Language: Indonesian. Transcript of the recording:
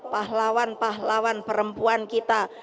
pahlawan pahlawan perempuan kita